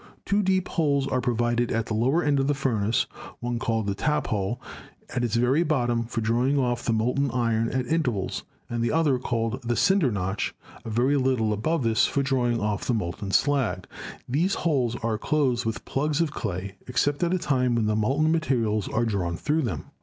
Two deep holes are provided at the lower end of the furnace, one, called the tap hole, at its very bottom for drawing off the molten iron at intervals, and the other, called the "cinder notch/' a very little above this, for "drawing off the molten slag. These holes are closed with plugs of clay, except at the time when the molten materials are drawn through them.